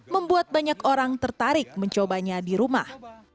membuat banyak orang tertarik mencobanya di rumah